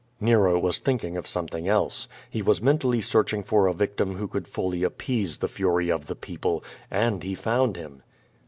Nero was thinking of something else. He was mentally searching for a victim who could fully appease the fury of the people, and he found him.